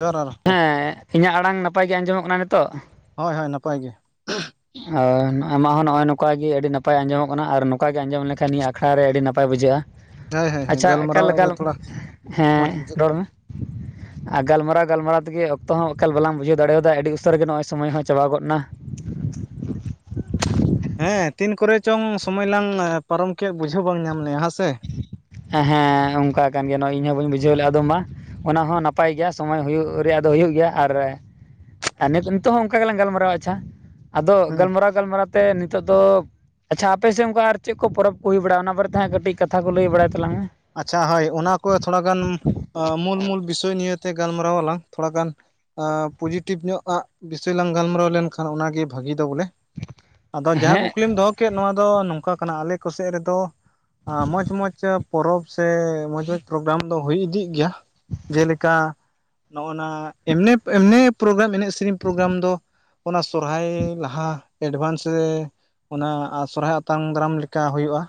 ᱡᱚᱦᱟᱨ ᱟᱨᱛᱮ ᱦᱮᱸ ᱤᱧᱟᱹᱜ ᱟᱲᱟᱝ ᱱᱟᱯᱟᱭ ᱜᱮ ᱟᱸᱡᱚᱢᱚᱜ ᱠᱟᱱᱟ ᱱᱤᱛᱚᱜ ᱦᱳᱭ ᱦᱳᱭ ᱱᱟᱯᱟᱭ ᱜᱮ ᱟᱨ ᱟᱢᱟᱜ ᱦᱚᱸ ᱱᱚᱜᱼᱚᱭ ᱱᱚᱝᱠᱟ ᱜᱮ ᱟᱹᱰᱤ ᱱᱟᱯᱟᱭ ᱟᱸᱡᱚᱢᱚᱜ ᱠᱟᱱᱟ ᱟᱨ ᱱᱚᱝᱠᱟ ᱜᱮ ᱟᱸᱡᱚᱢ ᱞᱮᱠᱷᱟᱱ ᱱᱤᱭᱟᱹ ᱟᱠᱷᱲᱟ ᱨᱮ ᱟᱹᱰᱤ ᱱᱟᱯᱟᱭ ᱵᱩᱡᱷᱟᱹᱜᱼᱟ ᱦᱳᱭ ᱦᱳᱭ ᱦᱳᱭ ᱟᱪᱪᱷᱟ ᱮᱠᱟᱞ ᱜᱟᱞᱢᱟᱨᱟᱣ ᱨᱮ ᱮᱠᱟᱞ ᱛᱷᱚᱲᱟ ᱦᱮᱸ ᱢᱚᱸᱡᱽ ᱵᱩᱡᱷᱟᱹᱜ ᱨᱚᱲ ᱢᱮ [unintelligible] ᱟᱨ ᱜᱟᱞᱢᱟᱨᱟᱣ ᱜᱟᱞᱢᱟᱨᱟᱣ ᱛᱮᱜᱮ ᱚᱠᱛᱚ ᱦᱚᱸ ᱮᱠᱟᱞ ᱵᱟᱞᱟᱝ ᱵᱩᱡᱷᱟᱹᱣ ᱫᱟᱲᱮᱭᱟᱫᱟ ᱟᱹᱰᱤ ᱩᱥᱟᱹᱨ ᱜᱮ ᱱᱚᱜᱼᱚᱭ ᱥᱚᱢᱚᱭ ᱦᱚᱸ ᱪᱟᱵᱟ ᱜᱚᱫ ᱮᱱᱟ [unintelligible] ᱦᱮᱸ ᱛᱤᱱ ᱠᱚᱨᱮ ᱪᱚᱝ ᱥᱚᱢᱚᱭ ᱞᱟᱝ ᱯᱟᱨᱚᱢ ᱠᱮᱫ ᱵᱩᱡᱷᱟᱹᱣ ᱵᱟᱝ ᱧᱟᱢ ᱞᱮᱱᱼᱟ ᱦᱮᱸ ᱥᱮ ᱦᱮᱸ ᱦᱮᱸ ᱚᱱᱠᱟ ᱟᱠᱟᱱ ᱜᱮᱭᱟ ᱱᱚᱜᱚᱭ ᱤᱧ ᱦᱚᱸ ᱵᱟᱹᱧ ᱵᱩᱡᱷᱟᱹᱣ ᱞᱮᱫᱼᱟ ᱟᱫᱚ ᱢᱟ ᱚᱱᱟ ᱦᱚᱸ ᱱᱟᱯᱟᱭ ᱜᱮᱭᱟ ᱥᱚᱢᱚᱭ ᱦᱩᱭᱩᱜ ᱨᱮᱭᱟᱜ ᱫᱚ ᱦᱩᱭᱩᱜ ᱜᱮᱭᱟ ᱟᱨ ᱱᱤᱛᱚᱜ ᱦᱚᱸ ᱚᱱᱠᱟ ᱜᱮᱞᱟᱝ ᱜᱟᱞᱢᱟᱨᱟᱣᱟ ᱟᱪᱪᱷᱟ ᱟᱫᱚ ᱦᱩᱸ ᱜᱟᱞᱢᱟᱨᱟᱣ ᱜᱟᱞᱢᱟᱨᱟᱣ ᱛᱮ ᱱᱤᱛᱚᱜ ᱫᱚ ᱟᱪᱪᱷᱟ ᱟᱯᱮᱥᱮᱫ ᱚᱱᱠᱟ ᱟᱨ ᱪᱮᱫ ᱠᱚ ᱯᱚᱨᱚᱵ ᱠᱚ ᱦᱩᱭ ᱵᱟᱲᱟᱜ-ᱟ ᱚᱱᱟ ᱵᱟᱨᱮᱛᱮ ᱦᱟᱜ ᱠᱟᱹᱴᱤᱡ ᱠᱟᱛᱷᱟ ᱠᱚ ᱞᱟᱹᱭ ᱵᱟᱲᱟᱭ ᱛᱟᱞᱟᱝ ᱢᱮ ᱟᱪᱪᱷᱟ ᱦᱳᱭ ᱚᱱᱟ ᱠᱚ ᱛᱷᱚᱲᱟ ᱜᱟᱱ ᱢᱩᱞ ᱢᱩᱞ ᱵᱤᱥᱚᱭ ᱱᱤᱭᱮᱛᱮ ᱜᱟᱞᱢᱟᱨᱟᱣ ᱟᱞᱟᱝ ᱛᱷᱚᱲᱟ ᱜᱟᱱ ᱯᱚᱡᱮᱴᱤᱵᱷ ᱧᱚᱜ ᱟᱜ ᱵᱤᱥᱚᱭ ᱞᱟᱝ ᱜᱟᱞᱢᱟᱨᱟᱣ ᱞᱮᱱᱠᱷᱟᱱ ᱚᱱᱟᱜᱮ ᱵᱷᱟᱹᱜᱤ ᱫᱚ ᱵᱚᱞᱮ ᱟᱫᱚ ᱡᱟᱦᱟᱸ ᱦᱮᱸ ᱠᱩᱠᱞᱤᱢ ᱫᱚᱦᱚ ᱠᱮᱫ ᱱᱚᱣᱟ ᱫᱚ ᱱᱚᱝᱠᱟ ᱠᱟᱱᱟ ᱟᱞᱮ ᱠᱚᱥᱮᱫ ᱨᱮᱫᱚ ᱢᱚᱸᱡᱽ ᱢᱚᱸᱡᱽ ᱯᱚᱨᱚᱵᱽ ᱥᱮ ᱢᱚᱸᱡᱽ ᱢᱚᱸᱡᱽ ᱯᱨᱳᱜᱨᱟᱢ ᱫᱚ ᱦᱩᱭ ᱤᱫᱤᱜ ᱜᱮᱭᱟ ᱡᱮᱞᱮᱠᱟ ᱱᱚᱜᱼ ᱚᱱᱚᱣᱟ ᱮᱢᱱᱤ ᱯᱨᱳᱜᱨᱟᱢ ᱮᱱᱮᱡ ᱥᱮᱨᱮᱧ ᱯᱨᱳᱜᱨᱟᱢ ᱫᱚ ᱚᱱᱟ ᱥᱚᱨᱦᱟᱭ ᱞᱟᱦᱟ ᱮᱰᱵᱷᱟᱱᱥ ᱨᱮ ᱚᱱᱟ ᱥᱚᱨᱦᱟᱭ ᱟᱛᱟᱝ ᱫᱟᱨᱟᱢ ᱞᱮᱠᱟ ᱦᱩᱭᱩᱜᱼᱟ